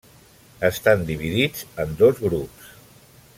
Estan dividits en dos grups.